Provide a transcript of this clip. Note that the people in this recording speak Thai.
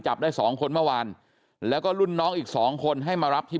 จับได้สองคนเมื่อวานแล้วก็รุ่นน้องอีกสองคนให้มารับที่